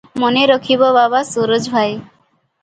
ମନେ ରଖିବ ବାବା ସରୋଜ ଭାଇ